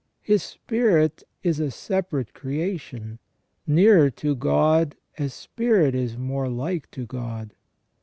His spirit is a separate creation, nearer to God as spirit is more like to God.